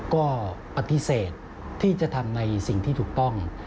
ก็ปฏิเสธที่จะทำในสิ่งที่ถูกต้อง